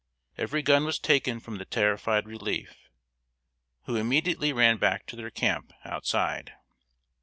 Every gun was taken from the terrified relief, who immediately ran back to their camp, outside.